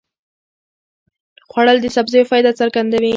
خوړل د سبزیو فایده څرګندوي